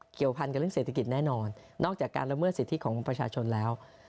เกี่ยวพันกับเรื่องเศรษฐกิจแน่นอนนอกจากการละเมิดสิทธิของประชาชนแล้ว